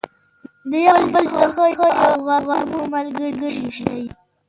د یو بل د خوښیو او غمونو ملګري شئ.